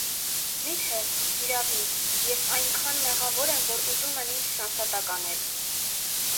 մի՞թե, հիրավի, ես այնքան մեղավոր եմ, որ ուզում են ինձ շանսատակ անել: